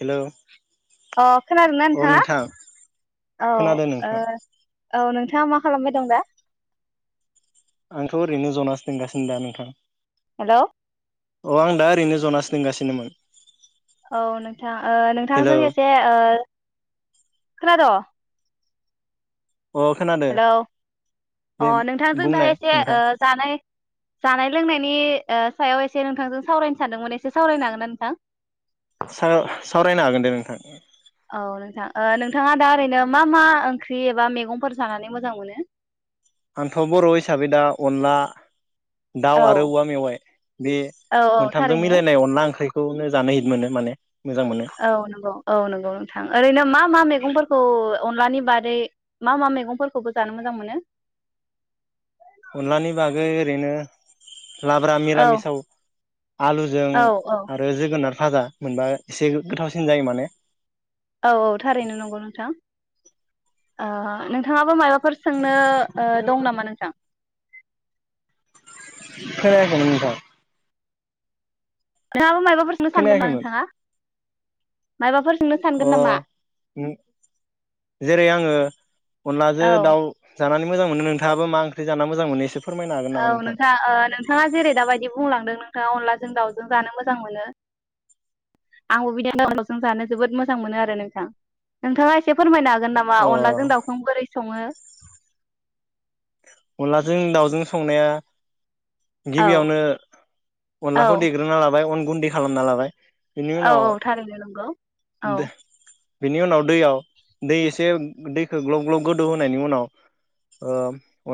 Hello अ। खोनादों ना अ नोंथाङा नोंथां औ खोनादों ओ नोंथां औ नों थाङा मा खालामबाय दं दा? आंथ' ओरैनो जनासो दोंगासिनो दा नोंथां। हेल'। अ आं दा ओरैनो जनासो दोंगासिनोमोन। औ नोंथां ओ हेलौ नोंथांजों एसे ओ खोनाद'? अ खोनादो हेलौ अ दे नोंथांजों दा बुंनाय एसे ओ नोंथां जानाय जानाय लोंनाय नि ओ सायाव एसे नोंथांजों सावरायनो सानदोंमोन एसे सावरायनो हागोन ना नोंथां? साव-सावरायनो हागोन दे नोंथां। औ नोंथां ओ नोंथाङा दा ओरैनो मा मा ओंख्रि एबा मैगंफोर जानानै मोजां मोनो? आंथ' बर' हिसाबै दा अनला दाउ औ आरो औवा मेवाइ बे औ औ मोनथामजों थारैनो मिलायनाय अनला ओंख्रिखौ खौनो जानाय हिदमोनो माने। मोजां मोनो औ नंगौ औ नंगौ नोंथां ओरैनो मा मा मैगंफोरखौ खौ अनलानि बादै मा मा मैगंफोरखौबो जानो मोजां मोनो? अनलानि बागै ओरैनो लाब्रा औ मिरामिसाव आलुजों औ औ आरो जोगोनार भाजा मोनबा एसे गोथावसिन जायो माने। औ औ थारैनो नंगौ नोंथां ओ नोंथाङाबो मायबा फोर सोंनो दं नामा नोंथां? खोनायाखैमोन नोंथां। [unintelligible] [unintelligible] खोनायाखैमोन ना नोंथाङा मायबाफोर सोंनो सानगोन अ नामा उम जेरै आं ङो औ अनलाजों दाउ जानानै मोजां मोनो नोंथाबो माओंख्रि जाना मोजां मोनो एसे फोरमायनो हागोन औ नामा नोंथां ओ नोंथाङा जेरै दाबायदि बुंलांदों नों अनलाजों दाउजों जानो मोजां मोनो आंबो बिदिनो [unintelligible] दाउजों जानो जोबोद मोजां मोनो आरो नोंथां नोंथाङा एसे फोरमायनो हागोन हागोन नामा अ अनलाजों दाउखौ बोरै सङो? अनलाजों दाउजों संनाया औ गिबियावनो औ अनलाखौ देग्रोना लाबाय अन गुन्दि खालामना लाबाय बेनि औ उनाव औ थारैनो नंगौ औ। बिनि उनाव दैयाव दै एसे दैखौ ग्लब ग्लब गोदौ होनायनि उनाव ओ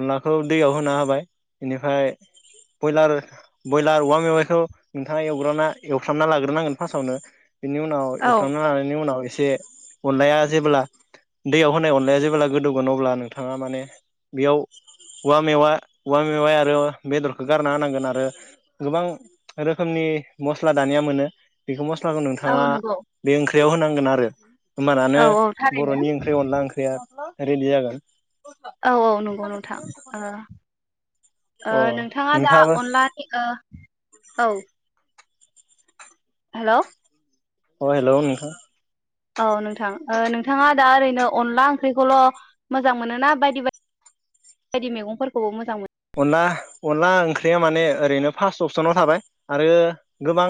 अनलाखौ दैयाव होना होबाय बेनिफ्राय बयलार बयलार औवा मेवाइखौ नोंथाङा एवग्रा एवफ्रामना लाग्रोनांगोन फार्स्टआवनो बेनि उनाव औ एउफ्राना लानायनि उनाव एसे अनलाया जेब्ला दैयाव होनाय अनलाया जेब्ला गोदौगोन अब्ला नोंथाङा माने बेयाव औवा मेवा औवा मेवाय आरो बेदरखौ गारना होनांगोन आरो गोबां रोखोमनि मस्ला दानिया मोनो बेखौ मस औ नोंथाङा नंगौ बे ओं होनांगोन आरो औ होमानानो औ थारैनो बर'नि ओंख्रि अनला ओंख्रिया रेडि जागोन औ औ नंगौ नोंथां ओ ओ अ नोंथाङा दा नोंथाङाबो अनलानि ओ औ हेलौ अ हेलौ नोंथां औ नोंथां ओ नोंथाङा दा ओरैनो अनला ओंख्रिखौल' मोजां मोनोना बायदि बायदि बायदि मैगंफोरखौबो मोजां मोनो? अनला अनला ओंख्रिया माने ओरैनो फार्स्ट अपसनाव थाबाय आरो गोबां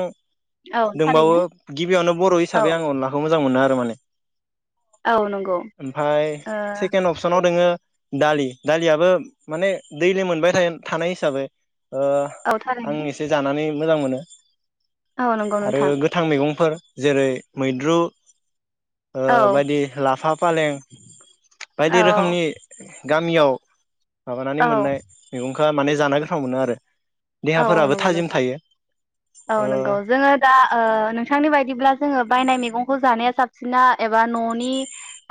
मोनो औ दंबावो थारैनो गिबियावनो बर' औ हिसाबै आं अनलाखौ मोजां मोनो आरो बे माने औ नंगौ ओमफाय ओ सेकेन्ड अपसनाव दोङो दालि दालियाबो माने दैलि मोनबाय थायो थानाय हिसाबै औ ओआं थारैनो एसे जानानै मोजां मोनो औ नंगौ आरो नोंथां गोथां मैगंफोर जेरै मैद्रु ओ औ बायदि लाफा फालें बायदि औ रोखोमनि गामियाव माबा मोननाय औ मेगं खो माने जानो गोथाव मोनो आरो औ औ देहाफोराबो नंगौ थाजिम नोंथां थायो औ ओ नंगौ जोंङो दा ओ नोंथांनि बायदिब्ला जोंङो बायनाय मैगंखौ जानाया साबसिना एबा न'नि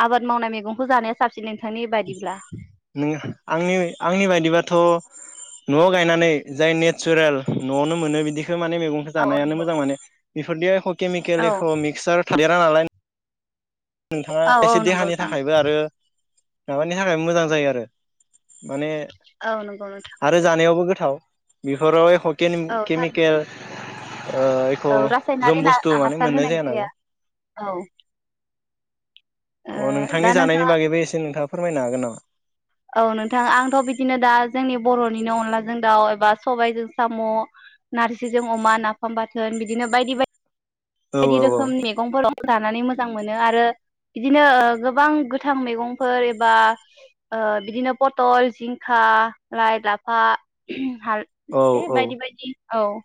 आबाद मावनाय मैगंखौ जानाया साबसिन नोंथांनि बादिब्ला नों आंनि आंनि बायदिबाथ' न'आव गायनानै जाय नेचारेल न'आवनो मोनो बिदि खो माने मैगंखौ औ जानायानो नंगौ मोजां माने बेफोरनिया एख' केमिकेल औ एख' मिक्सार थादेरा नालाय नोंथाङा औ खायसे औ नंगौ देहानि नोंथां थाखायबो आरो माबानि थाखाय मोजां जायो आरो माने औ नंगौ नोंथां । थाव बिफोराव एख' केनि थारैनो केमिकेल ओ एख' औ रासायनारि जम ना बुस्थु माने हासार मोननाय होनाय जाया नालाय । औ ओ अ नोंथांनि दा नोंथां जानायनि बागैबो एसे नोंथाङा फोरमायनो हागोन नामा? औ नोंथां आंथ' बिदिनो दा जोंनि बर'निनो अनलाजों दाउ एबा सबायजों साम' नारजिजों अमा नाफाम बाथोन बिदिनो बायदि बायदि औ बायदि रोखोम मैगंफोर दं । जानानै मोजां मोनो आरो बिदिनो गोबां गोथां मैगंफोर एबा ओ बिदिनो पटल जिंखा लाइ लाफा [unintelligible] भाल औ बे औ बायदि बायदि औ ।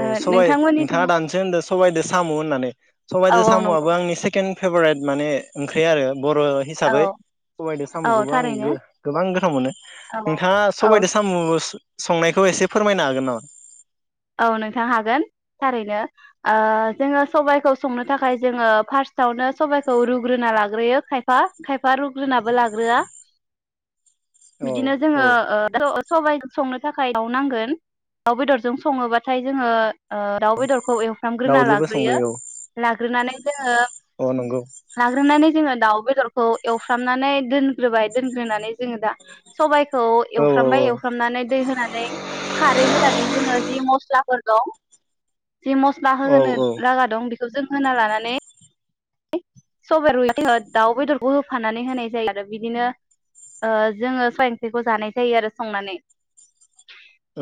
औ सबाय नोंथाङा दानिसो होनदो सबायदो साम' होननानै औ सबाइदो औ नंगौ साम'आबो आंनि सेकेन फेभरेट माने ओंख्रि आरो ‌ बर' औ हिसाबै सबायइजों औ साम'खौबो आं गो थारैनो गोबां गोथाव मोनो नोंथाङा औ औ सबायदो सामु' संनायखौ एसे फोरमायनो हागोन नामा? औ नोंथां हागोन थारैनो ओ जोङो सबायखौ संनो थाखाय जोङो फार्स्टआवनो सबायखौ रुग्रोना लाग्रोयो खायफा खायफा रुग्रोनाबो लाग्रोआ औ बिदिनो जोङो औ ओ सबाय संनो थाखाय दाउ नांगोन दाउ बेदरजों सङोबाथाय जोङो ओ दाउ बेदरखौ एवफ्रामग्रोना दाउजोंबो लाग्रोयो संजायो औ लाग्रोनानै जोङो औ नंगौ लाग्रोनानै जोङो दाउ बेदरखौ एवफ्रामनानै दोनग्रोबाय दोनग्रोनानै जोङो दा सबाय खौ औ औ एवफ्रामबाय एवफ्रामनानै दै होनानै खारै होनानै जोङो मस्लाफोर दं जि मस्ला औ होनो औ लागा दं बे खौ जों होना लानानै सबाइ रुइ दाउ बेदरखौ होफानानै होनाय जायो आरो बिदिनो ओ जोङो सबाय ओंख्रिखौ जानाय जायो आरो संनानै।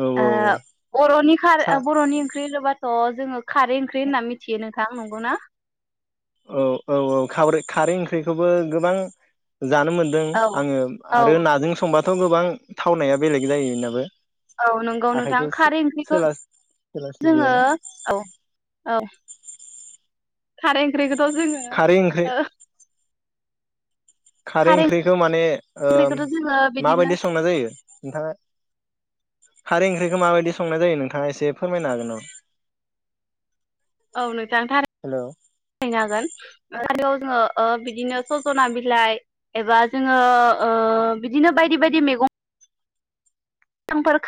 औ औ औ बर'नि खार सा ओ बर'नि ओंख्रि [unintelligible] थ' जोङो खारै ओंख्रि होनना मिथियो नों थां नंगौ ना? औ औ औै खाब्रै खारै ओंख्रिखौबो गोबां जानो मोनदों औ आङो औ आरो नाजों संबा थ' गोबां थावनाया बेलेग जायो इनाबो। औ नोंगौ नोंथां खारै ओंख्रिखौ जोङो सोलास्लिबलायनाय औ औ खारै ओंख्रि खौ जोङो खारै ओंख्रि ओ खारै ओंख्रिखौ माने ओ ओंख्रिखौथ' जोङो बिदिनो माबायदि संनाय जायो? नोंथाङा खारि ओंख्रिखौ माबायदि संनाय जायो नोंथाङा एसे फोरमायनो हागोन नामा? औ नोंथां थार हेल' हागोन। [unintelligible] जोङो ओ बिदिनो सजना बिलाइ एबा जोङो ओ बिदिनो बायदि बायदि मेगं [unintelligible]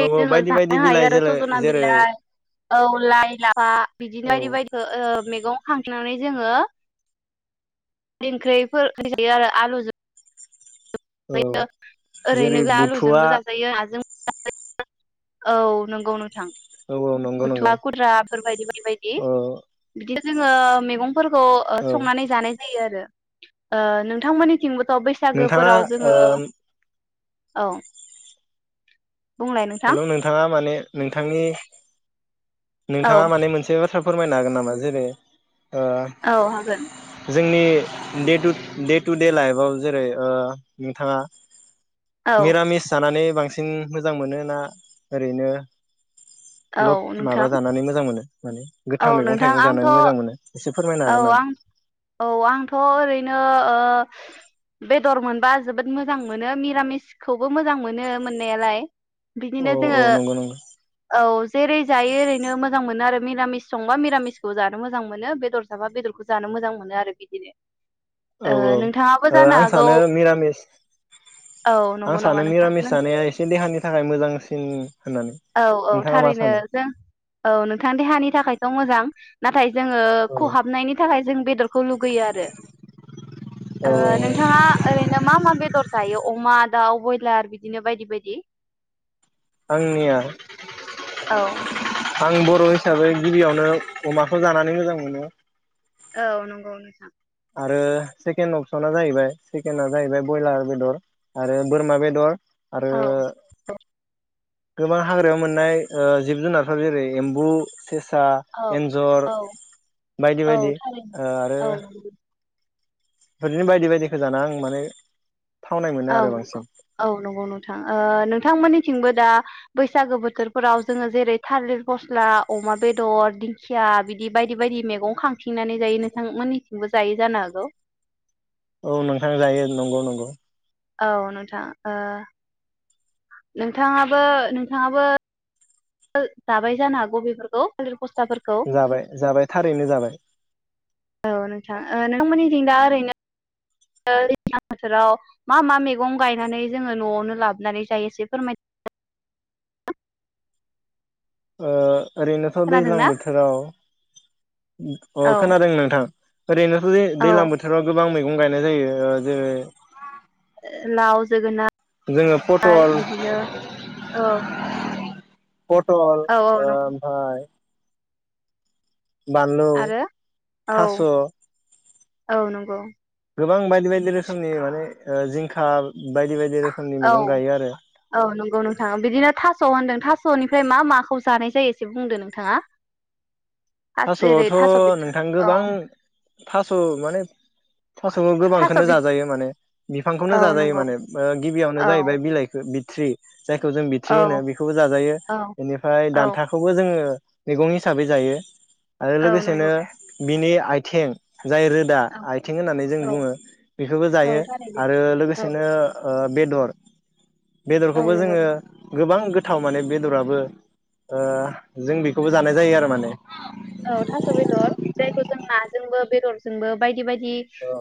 औ औ जोङो बायदि बायदि जानो हायो बिलाइ आरो जेरै सजना जेरै बिलाइ औ लाइ लाफा बिदिनो औ बायदि बायदि ओ मेगं खांख्लानै जोङो ओंख्रिफोर होजायो आरो आलुजों औ यो ओरैनो जेरै आलुजोंबो बुथुवा जाजायो नाजों औ नंगौ नोंथां। औ औ नंगौ नंगौ बुथुवा खद्राफोरबायदि बायदि बायदि औ बिदि जोङो मैगं फोरखौ ओ औ संनानै जानाय जायो आरो ओ नोंथांमोननिथिंबो बैसागोफोराव जोङो ओम औ। बुंलाय नोंथां हेलौ नोंथाङा माने नोंथांनि औ नोंथाङा माने मोनसे बाथ्रा फोरमायनो हागोन नामा? जेरै औ हागोन ओ जोंनि दे दुद दे टु दे लाइफाव जेरै ओ नोंथाङा औ मिरामिस जानानै बांसिन मोजां मोनो ना ओरैनो लक औ नोंथां माबा जानानै मोजां मोनो? माने औ गोथां मैगं नोंथां थाइगं आंथ' जानानै औ मोजां मोनो एसे फोरमायनो हागोन नामा? आं औ आंथ' ओरैनो ओ बेदर मोनबा जोबोद मोजां मोनो मिरामिसखौ बो मोजां मोनो मोननायालाय औ बिदिनो औ जोङो नंगौ नंगौ औ जेरै जायो ओरैनो मोजां मोनो आरो मिरामिस संबा मिरामिसखौ जानो मोजां मोनो बेदर थाबा बेदरखौ जानो मोजां मोनो आरो बिदिनो। औ औ ओ नोंथाङाबो जानो आं हागौ सानो मिरामिस औ आं नंगौ नामा सानो नोंथां मिरामिस नों जानाया एसे देहानि थाखाय मोजांसिन होननानै। औ औौ नोंथाङा मा थारैनो सानो? जों औ नोंथां देहानि थाखायथ' मोजां नाथाय जोङो औ खहाबनायनि थाखाय जों बेदरखौ लुगैयो आरो‌ औ ओ औ नोंथाङा ओरैनो मा मा बेदर जायो? अमा दाउ ब्रयलार बिदिनो बायदि बायदि। आंनिया औ आं बर' हिसाबै गिबियावनो अमाखौ जानानै मोजां मोनो। औ नंगौ नोंथां। आरो सेकेणड अपसना जाहैबाय सेकेणडआ जाहैबाय बयलार बेदर आरो बोरमा बेदर। आरो औ गोबां हाग्रायाव मोननाय ओ जिब जुनारफोर जेरै एम्बु सेसा औ एन्जर औ बायदि औ बायदि थारैनो ओ आरो औ बिदिनो बायदि बायदिखौ जाना आं माने थावनाय मोनो औ आरो नंगौ बांसिन औ नंगौ नोंथां नोंथां मोनि थिंबो दा बैसागो बोथोरफोराव जोङो जेरै थालिर फस्ला अमा बेदर दिंखिया बिदि बायदि बायदि मेगं खांथिंनानै जायो नोंथां मोननैथिंबो जायो जानो हागौ। औ नोंथां जायो नंगौ नंगौ। औ नोंथां ओ नोंथाङाबो नोंथाङाबो [unintelligible] जाबाय जानो हागौ बेफोरखौ [unintelligible] जाबाय जाबाय थारैनो जाबाय। औ नोंथां ओ नोंथांमोननिथिं दा ओरैनो [unintelligible] बोथोराव मा मा मैगं गायनानै जोङो न'आवनो लाबोनानै जायो एसे फोरमाय [unintelligible] ओ ओरैनोथ' दैज्लां खोनादोंना बोथोराव अ औ खोनादों नोंथां। ओरैनोथ दै औ दैज्लांबोथोराव गोबां मै गं गायनाय जायो जेरै लाव जोङो जोगोनाथ आरो पटल बिदिनो औ । पटल आ ओमफाय बानलु आरो औ थास औ नंगौ । गोबां बायदि बायदि रोखोमनि माने जिंखा बायदि बायदि रोखोमनि औ मैगं गायो आरो औ नोंगौ नोंथां बिदिनो थास' होनदों थास'निफ्राय मा माखौ जानाय जायो एसे बुंदो नोंथाङा। थास जेरै थास'आवथ' थास' बिथुरि नोंथां औ गोबां। थास' माने। थास' थास' गोबांखोनो बि जाजायो माने बिफांखौनो औ जाजायो नंगौ माने ओ गिबियावनो औ जाहैबाय बिलाइखो थ्रि जायखौ जों औ बिथि होनो बेखौबो जाजायो औ बेनिफाय औ दान्थाखौबो जोङो। मैगं हिसाबै जायो। आरो औ लोगोसेनो नंगौ बिनि आयथिं। जाय रोदा औ आयथिं होननानै जों औ बुङो बेखौबो जायो औ थारैनो आरो औ लोगोसेनो ओ बेदर। औ बेदरखौबो नंगौ जोङो गोबां। गोथाव माने बेदराबो ओ जों बेखौबो जानाय जायो आरो माने। औ थास' बेदर जायखौ जों नाजोंबो बेदरजोंबो बायदि बाय दि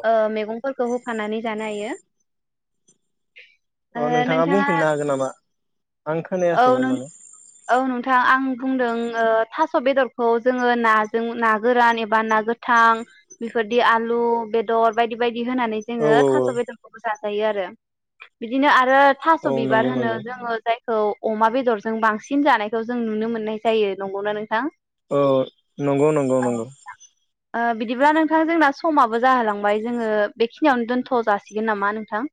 ओ मैगं फोरखौ होफनानै जानो हायो। अ नोंथाङा बुंफिननो हागोन नामा? आं औ खोनायाखैमोन नों माने औ नोंथां आं बुंदों ओ थास स' बेदरखौ जोङो नाजों ना गोरान एबा ना गोथां बेफोरदि आलु बेदर बायदि बाय दि होनानै औ जोङो औ औ थास' बेदरखौबो जा जायो आरो बिदिनो आरो। थास' औ नंगौ बिबार होनो नंगौ जोङो जाय औ अमा बेदरजों बांसिन जानायखौ जों नुनो मोननाय जायो नोंगौना नोंथां? औ नंगौ नंगौ औ नंगौ। ओ बिदिब्ला नोंथां जोंना समाबो जाहोलांबाय जोङो बेखिनियावनो दोनथ' जासिगोन नामा नोंथां?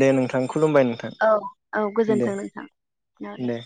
दे नोंथां खुलुमबाय नोंथां [inaudible] दे थों नोंथां औ। दे